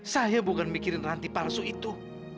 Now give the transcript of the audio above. saya bukan mikirin ranti palsu itu